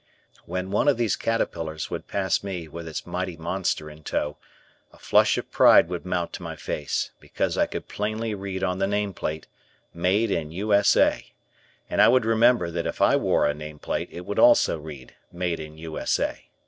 When one of these caterpillars would pass me with its mighty monster in tow, a flush of pride would mount to my face, because I could plainly read on the name plate, "Made in U.S.A.," and I would remember that if I wore a name plate it would also read, "Made in U.S.A."